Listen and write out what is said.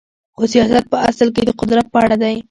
خو سیاست په اصل کې د قدرت په اړه دی.